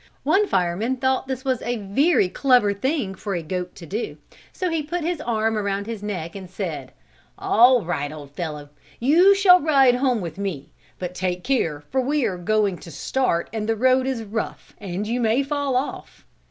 One fireman thought this a very clever thing for a goat to do, so he put his arm around his neck and said, "All right, old fellow, you shall ride home with me, but take care for we are going to start and the road is rough and you may fall off."